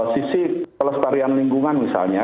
sisi pelestarian lingkungan misalnya